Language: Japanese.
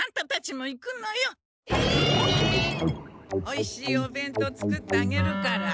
おいしいお弁当作ってあげるから。